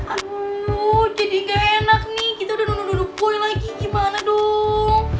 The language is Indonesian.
aduh jadi ga enak nih kita udah duduk duduk boy lagi gimana dong